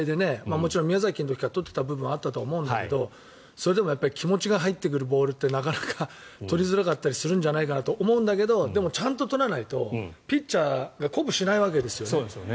もちろん宮崎の時からとっていた部分はあったと思うんだけどそれでも気持ちが入ってくるボールってなかなかとりづらかったりするんじゃないかって思うんだけどでも、ちゃんととらないとピッチャーが鼓舞しないわけですよね。